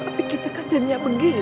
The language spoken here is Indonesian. tapi kita kan jenia begini